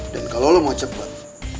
dan kalau lo mau cepet